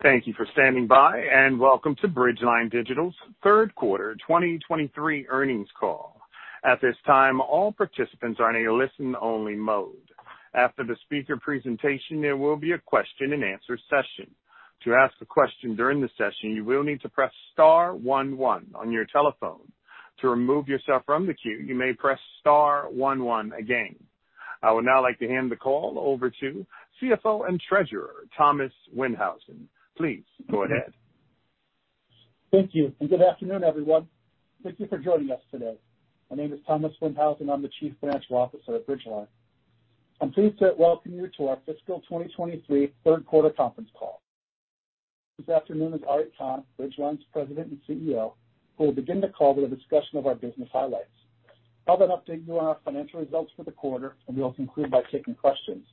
Thank you for standing by. Welcome to Bridgeline Digital's third quarter 2023 earnings call. At this time, all participants are in a listen-only mode. After the speaker presentation, there will be a question-and-answer session. To ask a question during the session, you will need to press star one on your telephone. To remove yourself from the queue, you may press star one again. I would now like to hand the call over to CFO and Treasurer, Thomas Windhausen. Please go ahead. Thank you, good afternoon, everyone. Thank you for joining us today. My name is Thomas Windhausen, I'm the Chief Financial Officer at Bridgeline. I'm pleased to welcome you to our fiscal 2023 third quarter conference call. This afternoon is Ari Kahn, Bridgeline's President and CEO, who will begin the call with a discussion of our business highlights. I'll then update you on our financial results for the quarter, we also conclude by taking questions.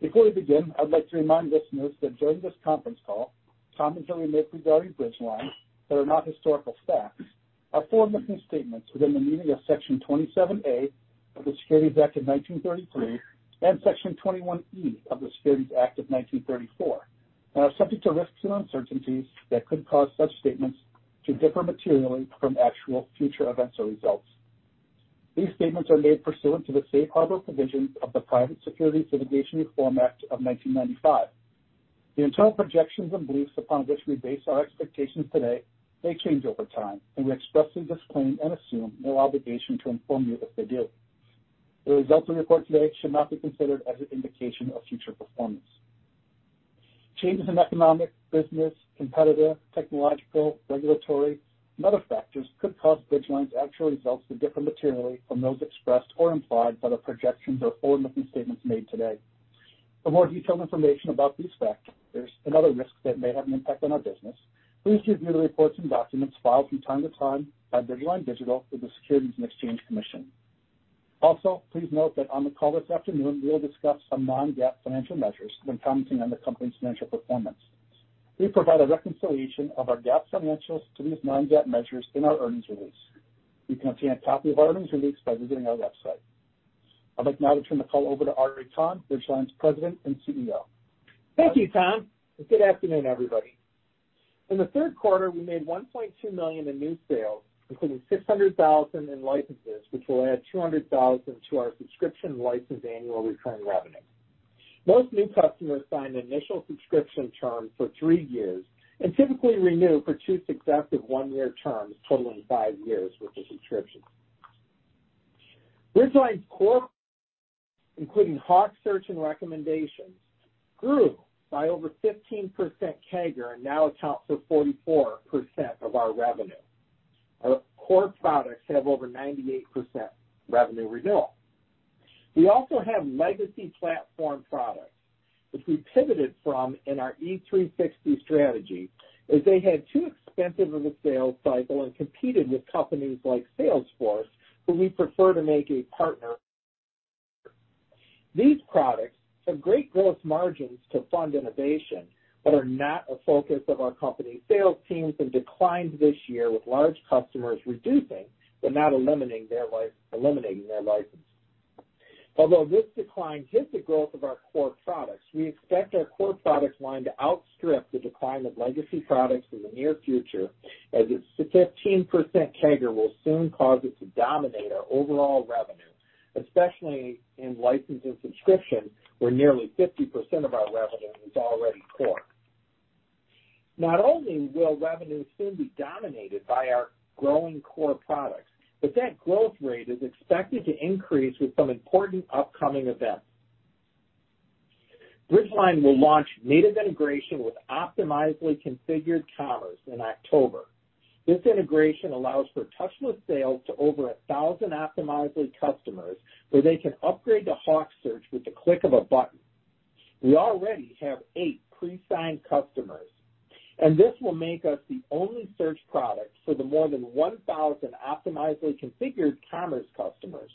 Before we begin, I'd like to remind listeners that during this conference call, comments that we make regarding Bridgeline that are not historical facts are forward-looking statements within the meaning of Section 27A of the Securities Act of 1933 and Section 21E of the Securities Act of 1934, are subject to risks and uncertainties that could cause such statements to differ materially from actual future events or results. These statements are made pursuant to the safe harbor provisions of the Private Securities Litigation Reform Act of 1995. The internal projections and beliefs upon which we base our expectations today may change over time, and we expressly disclaim and assume no obligation to inform you if they do. The results we report today should not be considered as an indication of future performance. Changes in economic, business, competitive, technological, regulatory, and other factors could cause Bridgeline's actual results to differ materially from those expressed or implied by the projections or forward-looking statements made today. For more detailed information about these factors and other risks that may have an impact on our business, please review the reports and documents filed from time to time by Bridgeline Digital with the Securities and Exchange Commission. Please note that on the call this afternoon, we'll discuss some non-GAAP financial measures when commenting on the company's financial performance. We provide a reconciliation of our GAAP financials to these non-GAAP measures in our earnings release. You can obtain a copy of our earnings release by visiting our website. I'd like now to turn the call over to Ari Kahn, Bridgeline's President and CEO. Thank you, Tom, good afternoon, everybody. In the third quarter, we made $1.2 million in new sales, including $600,000 in licenses, which will add $200,000 to our subscription license annual recurring revenue. Most new customers sign an initial subscription term for 3 years and typically renew for 2 successive 1-year terms, totaling 5 years with the subscription. Bridgeline's core, including HawkSearch and Recommendations, grew by over 15% CAGR and now accounts for 44% of our revenue. Our core products have over 98% revenue renewal. We also have legacy platform products, which we pivoted from in our e360 strategy, as they had too expensive of a sales cycle and competed with companies like Salesforce, who we prefer to make a partner. These products have great growth margins to fund innovation, but are not a focus of our company's sales teams and declined this year, with large customers reducing but not eliminating their eliminating their license. Although this decline hits the growth of our core products, we expect our core product line to outstrip the decline of legacy products in the near future, as its 15% CAGR will soon cause it to dominate our overall revenue, especially in license and subscription, where nearly 50% of our revenue is already core. Not only will revenue soon be dominated by our growing core products, but that growth rate is expected to increase with some important upcoming events. Bridgeline will launch native integration with Optimizely Configured Commerce in October. This integration allows for touchless sales to over 1,000 Optimizely customers, where they can upgrade to HawkSearch with the click of a button. We already have 8 pre-signed customers, and this will make us the only search product for the more than 1,000 Optimizely Configured Commerce customers.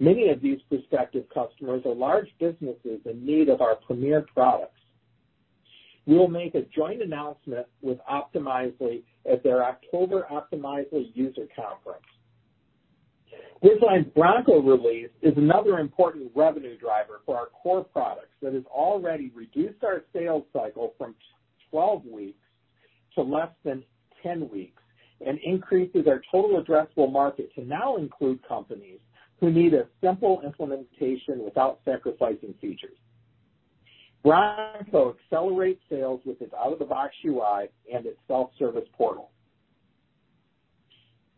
Many of these prospective customers are large businesses in need of our premier products. We will make a joint announcement with Optimizely at their October Optimizely user conference. Bridgeline's Bronco release is another important revenue driver for our core products that has already reduced our sales cycle from 12 weeks to less than 10 weeks, and increases our total addressable market to now include companies who need a simple implementation without sacrificing features. Bronco accelerates sales with its out-of-the-box UI and its self-service portal.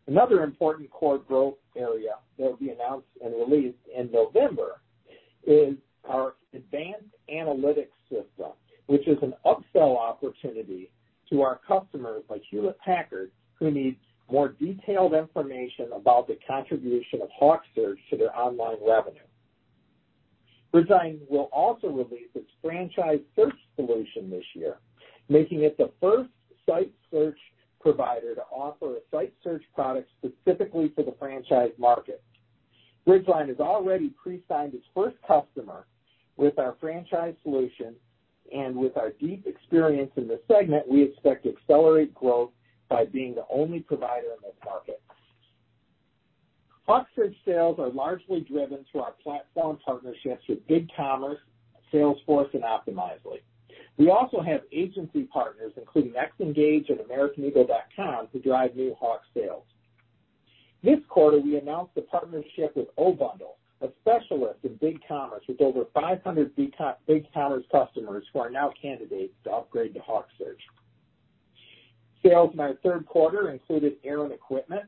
Another important core growth area that will be announced and released in November is our Advanced Analytics system, which is an upsell opportunity to our customers, like Hewlett-Packard, who needs more detailed information about the contribution of HawkSearch to their online revenue. Bridgeline will also release its franchise search solution this year, making it the first site search provider to offer a site search product specifically for the franchise market. Bridgeline has already pre-signed its first customer with our franchise solution, and with our deep experience in this segment, we expect to accelerate growth by being the only provider in this market. HawkSearch sales are largely driven through our platform partnerships with BigCommerce, Salesforce, and Optimizely. We also have agency partners, including Xngage and Americaneagle.com, to drive new HawkSearch sales. This quarter, we announced a partnership with oBundle, a specialist in BigCommerce, with over 500 BigCommerce customers who are now candidates to upgrade to HawkSearch. Sales in our third quarter included Aaron Equipment,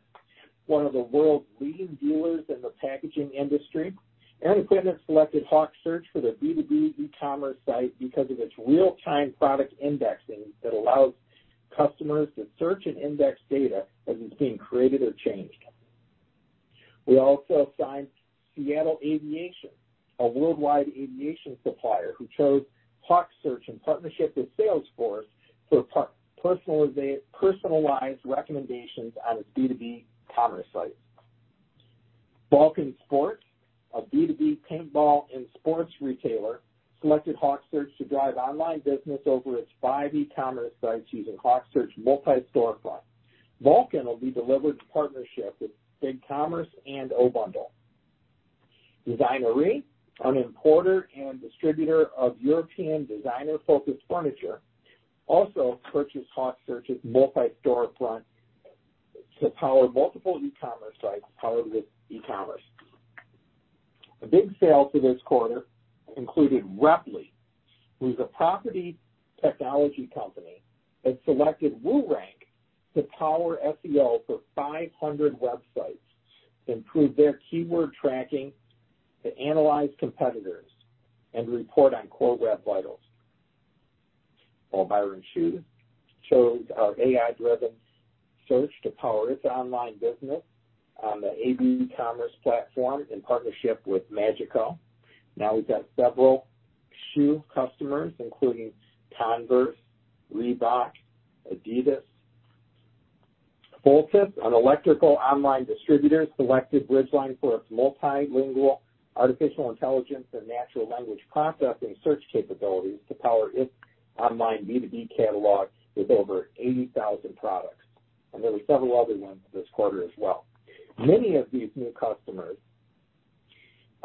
one of the world's leading dealers in the packaging industry. Aaron Equipment selected HawkSearch for their B2B e-commerce site because of its real-time product indexing that allows customers to search and index data as it's being created or changed. We also signed Seattle Aviation, a worldwide aviation supplier, who chose HawkSearch in partnership with Salesforce for personalized recommendations on its B2B commerce site. Valken Sports, a B2B paintball and sports retailer, selected HawkSearch to drive online business over its five e-commerce sites using HawkSearch Multi-Storefront. Valken will be delivered in partnership with BigCommerce and oBundle. Designerie, an importer and distributor of European designer-focused furniture, also purchased HawkSearch's Multi-Storefront to power multiple eCommerce sites powered with eCommerce. A big sale for this quarter included Repli, who's a property technology company that selected WooRank to power SEO for 500 websites to improve their keyword tracking, to analyze competitors, and report on Core Web Vitals. While Byrne Shoes chose our AI-driven search to power its online business on the AB Commerce platform in partnership with Magico. Now we've got several shoe customers, including Converse, Reebok, Adidas. Voltus, an electrical online distributor, selected Bridgeline for its multilingual artificial intelligence and natural language processing search capabilities to power its online B2B catalog with over 80,000 products. There were several other ones this quarter as well. Many of these new customers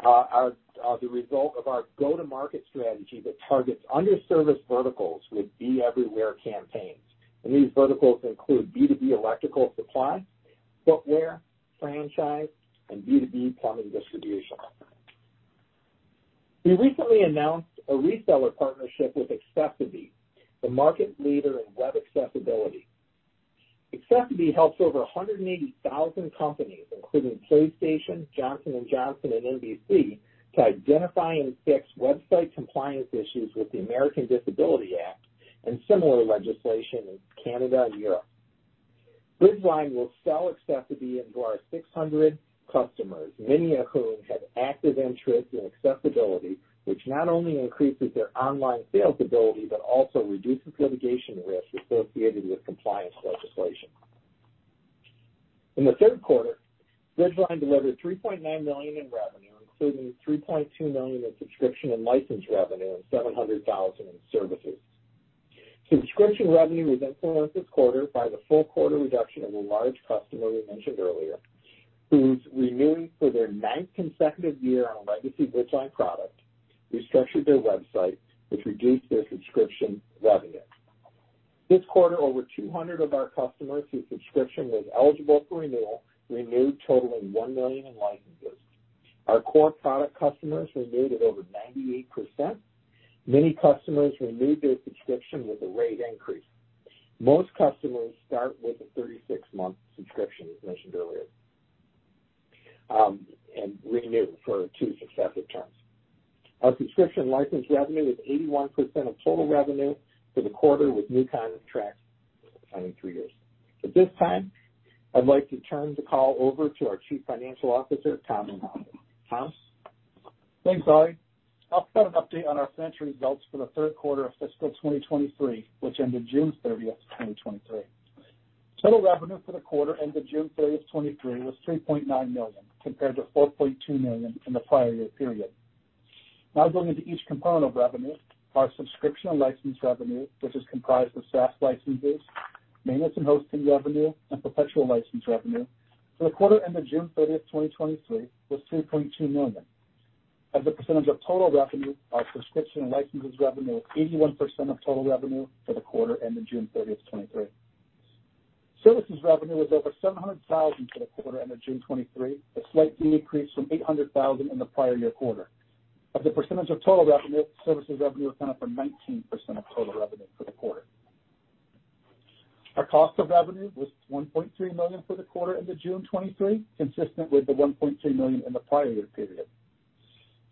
are, are the result of our go-to-market strategy that targets underserviced verticals with Be Everywhere campaigns. These verticals include B2B electrical supply, footwear, franchise, and B2B plumbing distribution. We recently announced a reseller partnership with accessiBe, the market leader in web accessibility. accessiBe helps over 180,000 companies, including PlayStation, Johnson & Johnson, and NBC, to identify and fix website compliance issues with the Americans with Disabilities Act and similar legislation in Canada and Europe. Bridgeline will sell accessiBe into our 600 customers, many of whom have active interest in accessibility, which not only increases their online sales ability, but also reduces litigation risk associated with compliance legislation. In the third quarter, Bridgeline delivered $3.9 million in revenue, including $3.2 million in subscription and license revenue, and $700,000 in services. Subscription revenue was influenced this quarter by the full quarter reduction of a large customer we mentioned earlier, who's renewing for their 9th consecutive year on a legacy Bridgeline product, restructured their website, which reduced their subscription revenue. This quarter, over 200 of our customers whose subscription was eligible for renewal, renewed totaling $1 million in licenses. Our core product customers renewed at over 98%. Many customers renewed their subscription with a rate increase. Most customers start with a 36-month subscription, as mentioned earlier, and renew for 2 successive terms. Our subscription license revenue is 81% of total revenue for the quarter, with new contracts signing 3 years. At this time, I'd like to turn the call over to our Chief Financial Officer, Tom Windhausen. Tom? Thanks, Ari. I'll start an update on our financial results for the third quarter of fiscal 2023, which ended June 30th, 2023. Total revenue for the quarter ended June 30th, 2023, was $3.9 million, compared to $4.2 million in the prior year period. Now, going into each component of revenue, our subscription and license revenue, which is comprised of SaaS licenses, maintenance and hosting revenue, and perpetual license revenue for the quarter ended June 30th, 2023, was $2.2 million. As a percentage of total revenue, our subscription and licenses revenue was 81% of total revenue for the quarter ended June 30th, 2023. Services revenue was over $700,000 for the quarter ended June 2023, a slight decrease from $800,000 in the prior year quarter. As a percentage of total revenue, services revenue accounted for 19% of total revenue for the quarter. Our cost of revenue was $1.3 million for the quarter ended June 2023, consistent with the $1.2 million in the prior year period.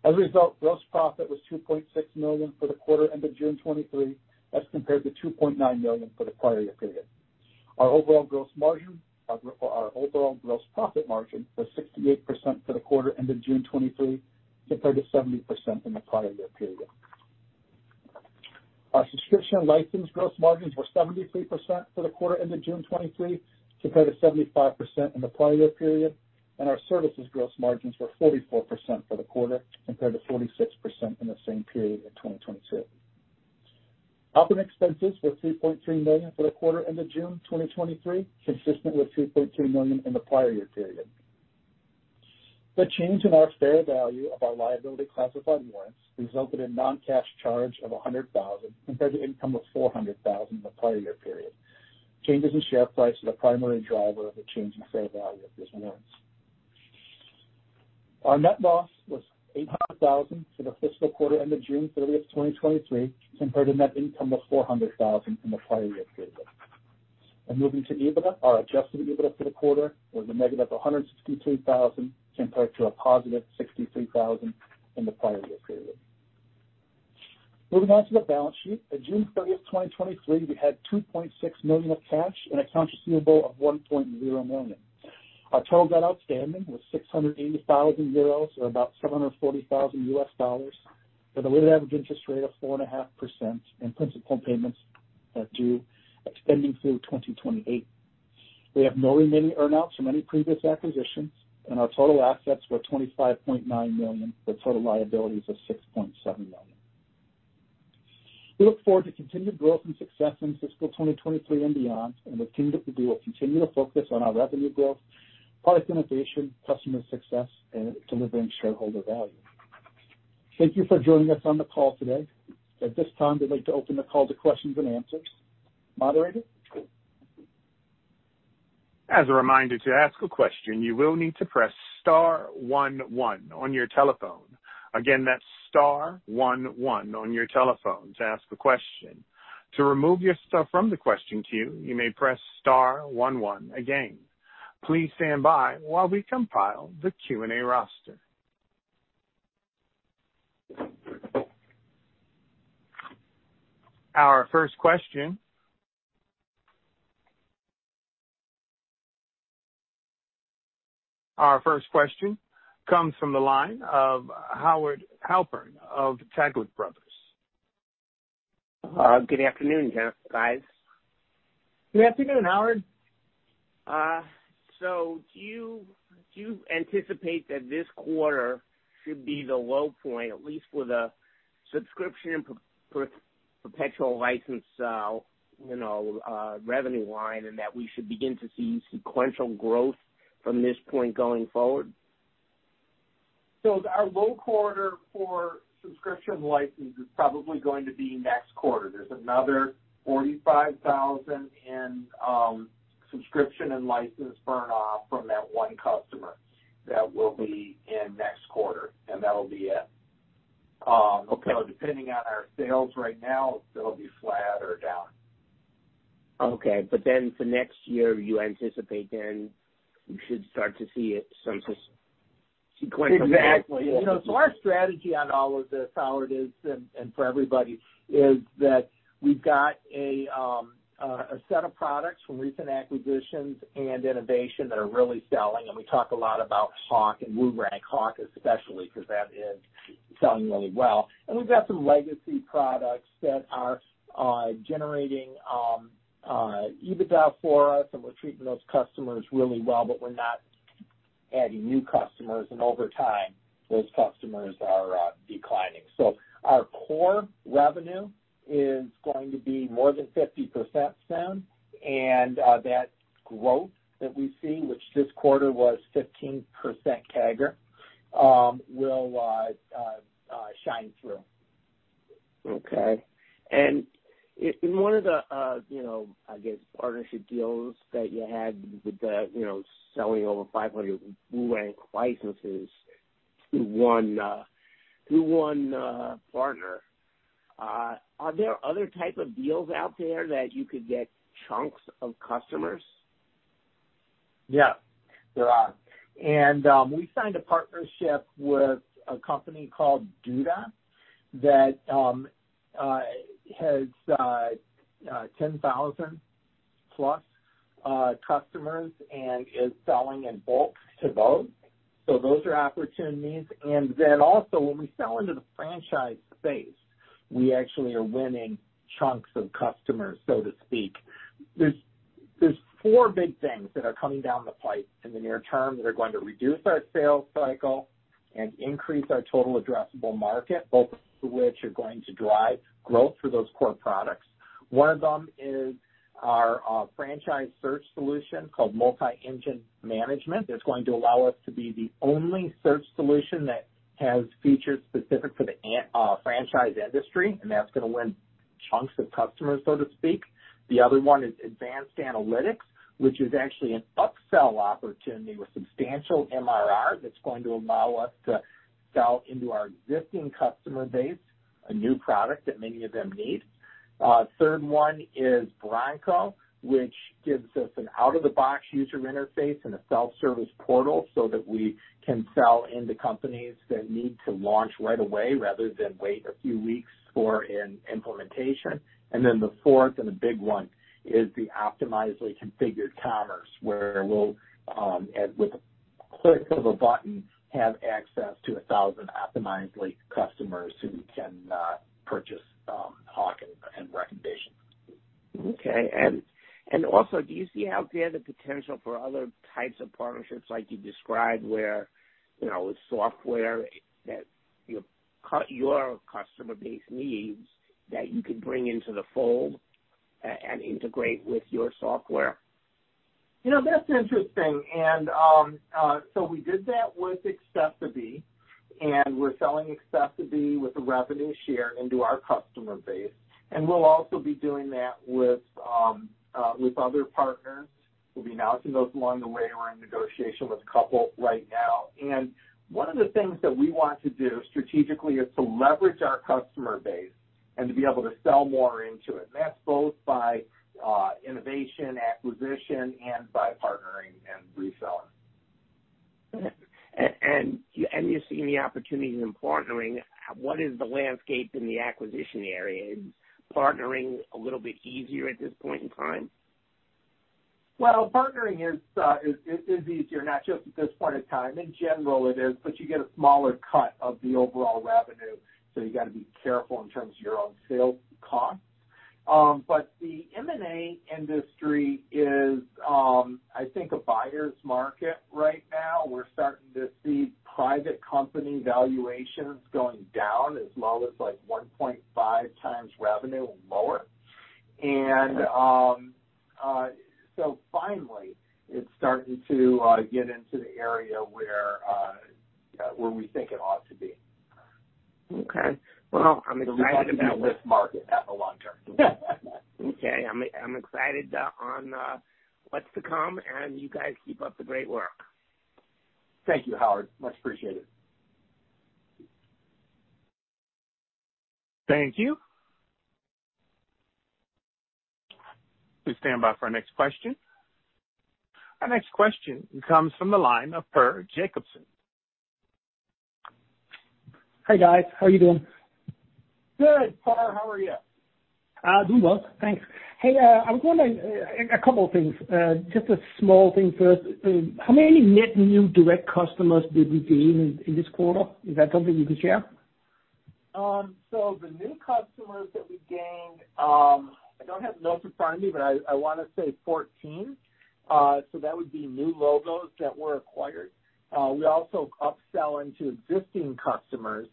As a result, gross profit was $2.6 million for the quarter ended June 2023, as compared to $2.9 million for the prior year period. Our overall gross margin, our overall gross profit margin was 68% for the quarter ended June 2023, compared to 70% in the prior year period. Our subscription and license gross margins were 73% for the quarter ended June 2023, compared to 75% in the prior year period, and our services gross margins were 44% for the quarter, compared to 46% in the same period in 2022. Operating expenses were $3.3 million for the quarter ended June 2023, consistent with $3.2 million in the prior year period. The change in our fair value of our liability-classified warrants resulted in non-cash charge of $100,000 compared to income of $400,000 in the prior year period. Changes in share price are the primary driver of the change in fair value of these warrants. Our net loss was $800,000 for the fiscal quarter ended June 30th, 2023, compared to net income of $400,000 in the prior year period. Moving to EBITDA, our adjusted EBITDA for the quarter was a negative $163,000, compared to a positive $63,000 in the prior year period. Moving on to the balance sheet. At June 30, 2023, we had $2.6 million of cash and accounts receivable of $1.0 million. Our total debt outstanding was 680,000 euros, or about $740,000, with a weighted average interest rate of 4.5% and principal payments due extending through 2028. We have no remaining earnouts from any previous acquisitions, and our total assets were $25.9 million, with total liabilities of $6.7 million. We look forward to continued growth and success in fiscal 2023 and beyond, and we're keen that we will continue to focus on our revenue growth, product innovation, customer success, and delivering shareholder value. Thank you for joining us on the call today. At this time, we'd like to open the call to questions and answers. Moderator? As a reminder, to ask a question, you will need to press star one one on your telephone. Again, that's star one one on your telephone to ask a question. To remove yourself from the question queue, you may press star one one again. Please stand by while we compile the Q&A roster. Our first question comes from the line of Howard Halpern of Taglich Brothers. Good afternoon, guys. Good afternoon, Howard. Do you, do you anticipate that this quarter should be the low point, at least for the subscription and perpetual license, you know, revenue line, and that we should begin to see sequential growth from this point going forward? Our low quarter for subscription license is probably going to be next quarter. There's another $45,000 in subscription and license burn-off from that one customer. That will be in next quarter, and that'll be it. Okay. Depending on our sales right now, it'll be flat or down. Okay, then for next year, you anticipate then you should start to see it, some sequential... Exactly. You know, so our strategy on all of this, Howard, is, and for everybody, is that we've got a set of products from recent acquisitions and innovation that are really selling. We talk a lot about Hawk and Boomerang, Hawk especially, because that is selling really well. We've got some legacy products that are generating EBITDA for us, and we're treating those customers really well, but we're not adding new customers, and over time, those customers are declining. Our core revenue is going to be more than 50% soon, and that growth that we see, which this quarter was 15% CAGR, will shine through. Okay. In one of the, you know, I guess, partnership deals that you had with the, you know, selling over 500 Boomerang licenses through one, through one, partner, are there other type of deals out there that you could get chunks of customers? Yeah, there are. We signed a partnership with a company called Duda that has 10,000-plus customers and is selling in bulk to those. Those are opportunities. Then also, when we sell into the franchise space, we actually are winning chunks of customers, so to speak. There's, there's 4 big things that are coming down the pipe in the near term that are going to reduce our sales cycle and increase our total addressable market, both of which are going to drive growth for those core products. One of them is our franchise search solution called Multi-Engine Management. That's going to allow us to be the only search solution that has features specific for the franchise industry, and that's gonna win chunks of customers, so to speak. The other one is Advanced Analytics, which is actually an upsell opportunity with substantial MRR that's going to allow us to sell into our existing customer base, a new product that many of them need. The third one is Bronco, which gives us an out-of-the-box UI and a self-service portal so that we can sell into companies that need to launch right away, rather than wait a few weeks for an implementation. The fourth, and the big one, is the Optimizely Configured Commerce, where we'll, at with the click of a button, have access to 1,000 Optimizely customers who can purchase Hawk and, and recommended-... Okay. Also, do you see out there the potential for other types of partnerships like you described, where, you know, software that your customer base needs, that you could bring into the fold and integrate with your software? You know, that's interesting, so we did that with accessiBe, and we're selling accessiBe with a revenue share into our customer base. We'll also be doing that with other partners. We'll be announcing those along the way. We're in negotiation with a couple right now. One of the things that we want to do strategically is to leverage our customer base and to be able to sell more into it. That's both by innovation, acquisition, and by partnering and reselling. You're seeing the opportunities in partnering. What is the landscape in the acquisition area? Is partnering a little bit easier at this point in time? Well, partnering is easier, not just at this point in time, in general it is, but you get a smaller cut of the overall revenue, so you gotta be careful in terms of your own sales costs. The M&A industry is, I think a buyer's market right now. We're starting to see private company valuations going down as low as, like, 1.5x revenue or lower. Finally, it's starting to get into the area where we think it ought to be. Okay. Well, I'm excited about- We like to be in this market in the long term. Okay. I'm excited, on, what's to come, and you guys keep up the great work. Thank you, Howard. Much appreciated. Thank you. Please stand by for our next question. Our next question comes from the line of Per Jacobsen. Hi, guys. How are you doing? Good, Per. How are you? Doing well. Thanks. Hey, I was wondering, a couple of things. Just a small thing first. How many net new direct customers did you gain in, in this quarter? Is that something you could share? The new customers that we gained, I don't have the notes in front of me, but I, I wanna say 14. That would be new logos that were acquired. We also upsell into existing customers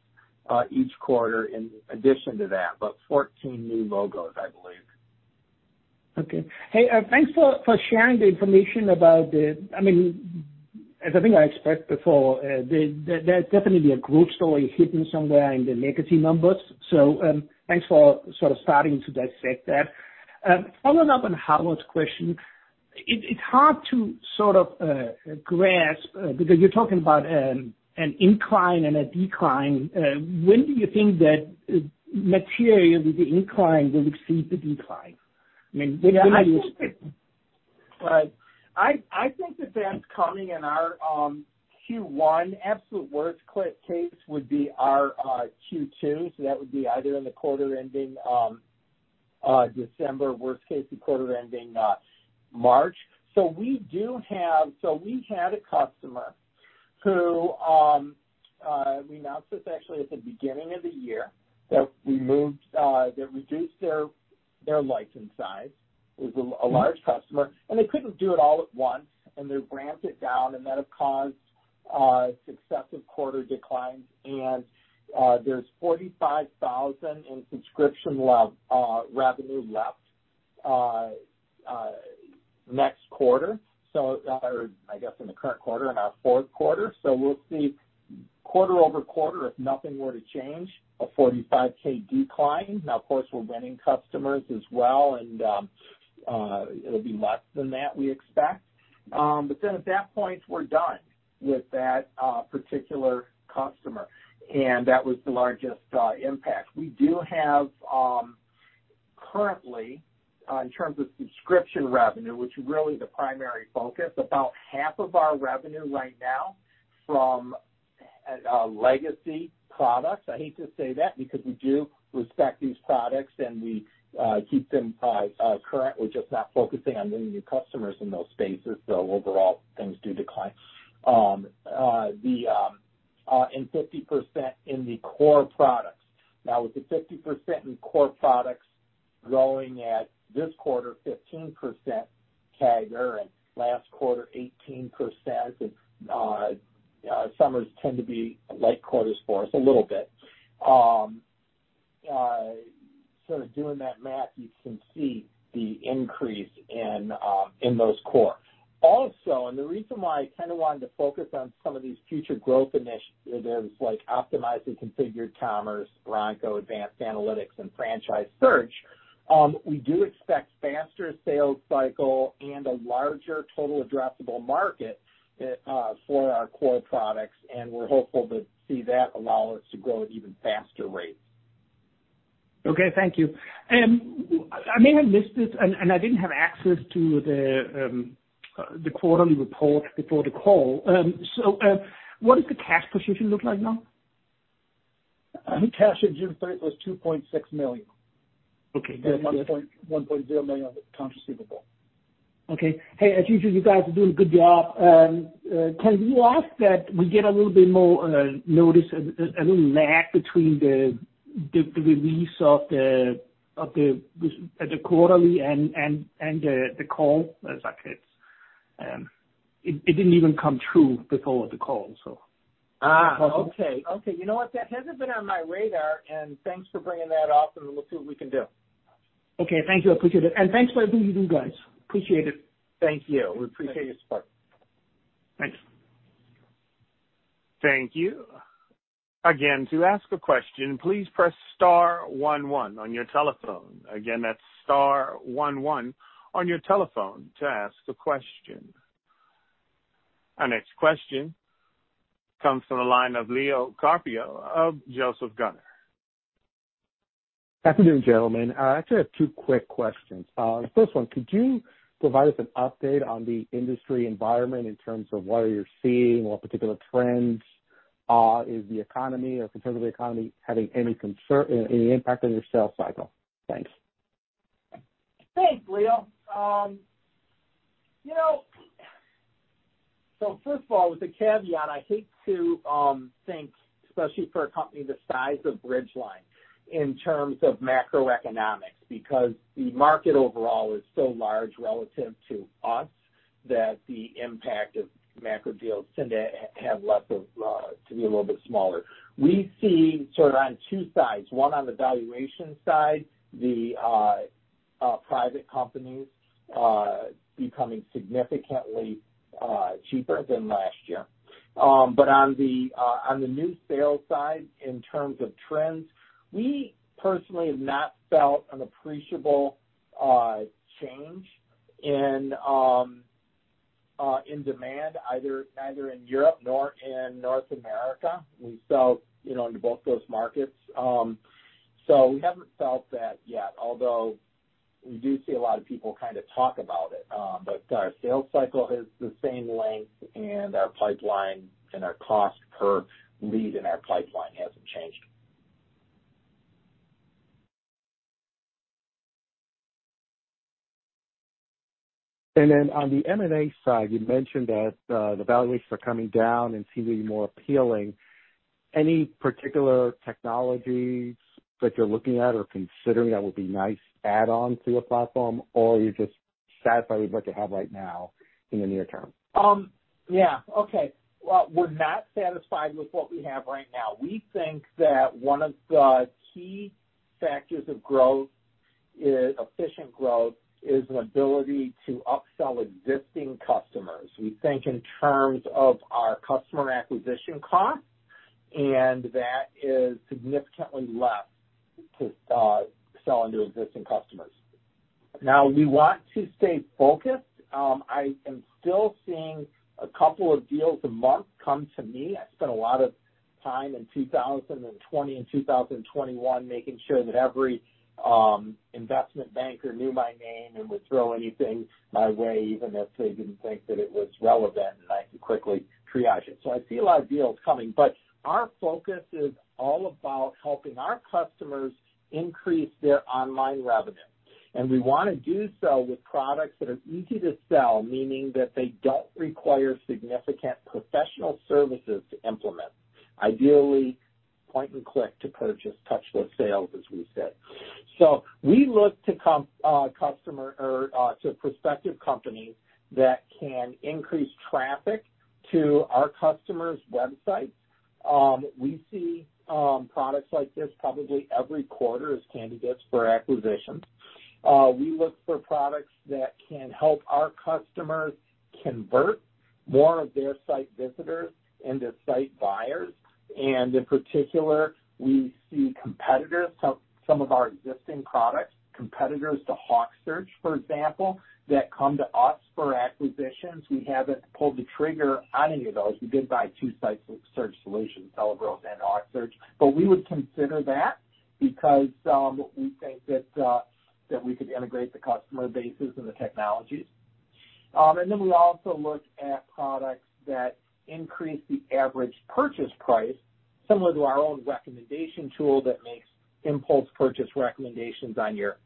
each quarter in addition to that, but 14 new logos, I believe. Okay. Hey, thanks for, for sharing the information about the... I mean, as I think I expect before, there's definitely a growth story hidden somewhere in the legacy numbers. Thanks for sort of starting to dissect that. Following up on Howard's question, it, it's hard to sort of, grasp, because you're talking about, an incline and a decline. When do you think that, materially the incline will exceed the decline? I mean, when do you- Yeah, I think that, I think that that's coming in our Q1. Absolute worst case would be our Q2, so that would be either in the quarter ending December, worst case, the quarter ending March. We had a customer who, we announced this actually at the beginning of the year, that removed, that reduced their license size. It was a large customer, and they couldn't do it all at once, and they ramped it down, and that have caused successive quarter declines. There's $45,000 in subscription revenue left next quarter. I guess in the current quarter, in our fourth quarter. We'll see quarter-over-quarter, if nothing were to change, a $45K decline. inning customers as well, and it'll be less than that, we expect. But then at that point, we're done with that particular customer, and that was the largest impact. We do have currently, in terms of subscription revenue, which is really the primary focus, about half of our revenue right now from legacy products. I hate to say that because we do respect these products, and we keep them current. We're just not focusing on bringing new customers in those spaces, so overall, things do decline. The and 50% in the core products. With the 50% in core products growing at this quarter, 15% CAGR, and last quarter, 18%, summers tend to be light quarters for us, a little bit Doing that math, you can see the increase in, in those core. Also, the reason why I kind of wanted to focus on some of these future growth initiatives, like Optimizely Configured Commerce, Bronco, Advanced Analytics, and franchise search, we do expect faster sales cycle and a larger total addressable market, for our core products, and we're hopeful to see that allow us to grow at even faster rates. Okay. Thank you. I may have missed it, and, and I didn't have access to the, the quarterly report before the call. What does the cash position look like now? I think cash at June 30 was $2.6 million. Okay. $1.1 million of accounts receivable. Okay. Hey, as usual, you guys are doing a good job. can we ask that we get a little bit more notice, a little lag between the, the, the release of the, of the, the quarterly and, and, and the, the call? It's like it's, it didn't even come through before the call, so. Okay. Okay. You know what? That hasn't been on my radar, and thanks for bringing that up, and we'll see what we can do. Okay, thank you. I appreciate it, and thanks for everything you do, guys. Appreciate it. Thank you. We appreciate your support. Thanks. Thank you. Again, to ask a question, please press star one one on your telephone. Again, that's star one one on your telephone to ask a question. Our next question comes from the line of Leo Carpio of Joseph Gunnar. Afternoon, gentlemen. I just have two quick questions. The first one, could you provide us an update on the industry environment in terms of what you're seeing or particular trends? Is the economy or concerns of the economy having any impact on your sales cycle? Thanks. Thanks, Leo. You know, first of all, with the caveat, I hate to think, especially for a company the size of Bridgeline, in terms of macroeconomics, because the market overall is so large relative to us, that the impact of macro deals tend to have less of, to be a little bit smaller. We see sort of on two sides, one, on the valuation side, the private companies, becoming significantly cheaper than last year. On the new sales side, in terms of trends, we personally have not felt an appreciable change in demand, either, neither in Europe nor in North America. We sell, you know, into both those markets. We haven't felt that yet, although we do see a lot of people kind of talk about it. Our sales cycle is the same length, and our pipeline and our cost per lead in our pipeline hasn't changed. On the M&A side, you mentioned that the valuations are coming down and seem to be more appealing. Any particular technologies that you're looking at or considering that would be nice add-on to your platform, or are you just satisfied with what you have right now in the near term? Yeah. Okay. Well, we're not satisfied with what we have right now. We think that one of the key factors of growth is -- efficient growth, is an ability to upsell existing customers. We think in terms of our customer acquisition costs. That is significantly less to sell into existing customers. Now, we want to stay focused. I am still seeing a couple of deals a month come to me. I spent a lot of time in 2020 and 2021 making sure that every investment banker knew my name and would throw anything my way, even if they didn't think that it was relevant, and I could quickly triage it. I see a lot of deals coming, but our focus is all about helping our customers increase their online revenue. We wanna do so with products that are easy to sell, meaning that they don't require significant professional services to implement. Ideally, point and click to purchase touchless sales, as we said. We look to customer or to prospective companies that can increase traffic to our customers' websites. We see products like this probably every quarter as candidates for acquisitions. We look for products that can help our customers convert more of their site visitors into site buyers, and in particular, we see competitors, some, some of our existing products, competitors to HawkSearch, for example, that come to us for acquisitions. We haven't pulled the trigger on any of those. We did buy two sites search solutions, Celebros and HawkSearch, we would consider that because we think that we could integrate the customer bases and the technologies. We also look at products that increase the average purchase price, similar to our own Recommendations tool, that makes impulse purchase recommendations on your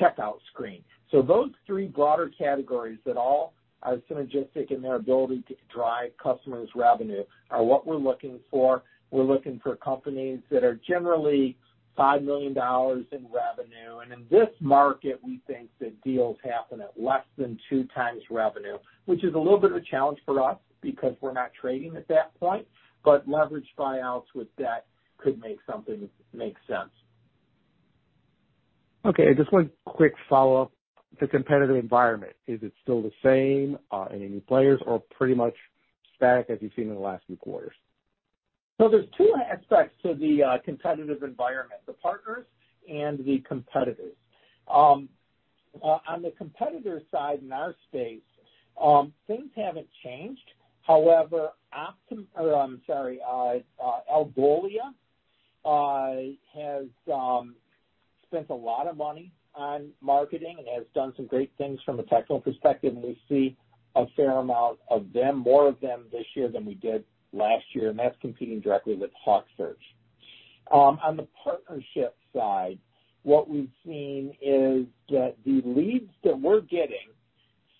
checkout screen. Those three broader categories that all are synergistic in their ability to drive customers' revenue are what we're looking for. We're looking for companies that are generally $5 million in revenue. In this market, we think that deals happen at less than 2x revenue, which is a little bit of a challenge for us because we're not trading at that point. Leveraged buyouts with debt could make something make sense. Okay, just 1 quick follow-up. The competitive environment, is it still the same? Any new players or pretty much static as you've seen in the last few quarters? There's two aspects to the competitive environment: the partners and the competitors. On the competitors side, in our space, things haven't changed. However, Algolia has spent a lot of money on marketing and has done some great things from a technical perspective, and we see a fair amount of them, more of them this year than we did last year, and that's competing directly with HawkSearch. On the partnership side, what we've seen is that the leads that we're getting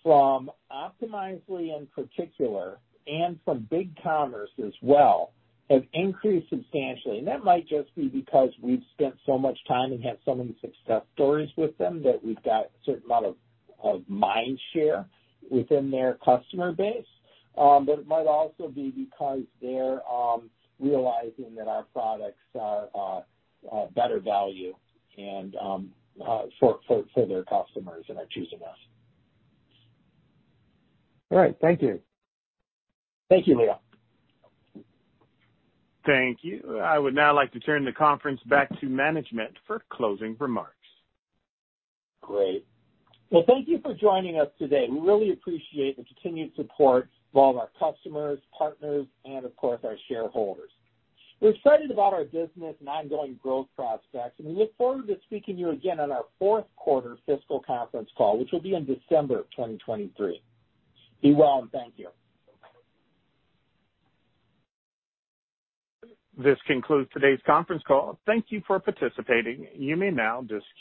from Optimizely, in particular, and from BigCommerce as well, have increased substantially. That might just be because we've spent so much time and had so many success stories with them, that we've got a certain amount of, of mind share within their customer base. It might also be because they're realizing that our products are, are, are better value and for, for, for their customers and are choosing us. All right. Thank you. Thank you, Leo. Thank you. I would now like to turn the conference back to management for closing remarks. Great. Well, thank you for joining us today. We really appreciate the continued support of all of our customers, partners, and of course, our shareholders. We're excited about our business and ongoing growth prospects, and we look forward to speaking to you again on our fourth quarter fiscal conference call, which will be in December of 2023. Be well, and thank you. This concludes today's conference call. Thank you for participating. You may now disconnect.